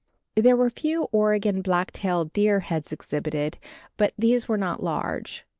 There were few Oregon blacktail deer heads exhibited, and these were not large.